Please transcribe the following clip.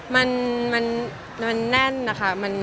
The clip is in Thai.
มันแน่นนะคะ